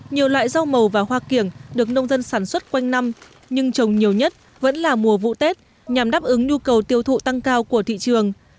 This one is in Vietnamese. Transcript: nhiều loại rau màu và hoa kiểng được nông dân sản xuất quanh năm nhưng trồng nhiều nhất vẫn là mùa vụ tết nhằm đáp ứng nhu cầu tiêu thụ tăng cao của thị trường